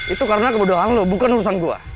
itu karena kebodohan lo bukan urusan gue